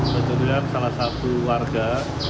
kejadian salah satu warga